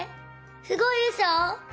すごいでしょ？